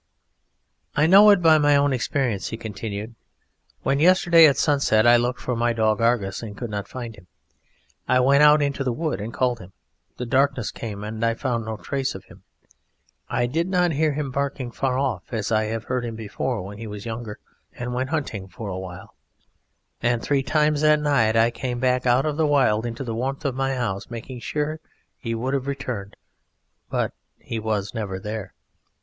"I know it by my own experience," he continued. "When, yesterday, at sunset, I looked for my dog Argus and could not find him, I went out into the wood and called him: the darkness came and I found no trace of him. I did not hear him barking far off as I have heard him before when he was younger and went hunting for a while, and three times that night I came back out of the wild into the warmth of my house, making sure he would have returned, but he was never there.